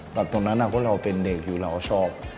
แต่ตอนนั้นก็เราเป็นเด็กอยู่เราชอบ